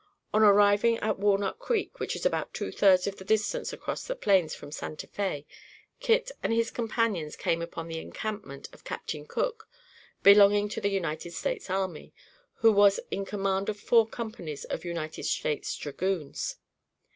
On arriving at Walnut Creek, which is about two thirds of the distance across the Plains from Santa Fé, Kit and his companions came upon the encampment of Captain Cook, belonging to the United States Army who was in command of four companies of United States Dragoons.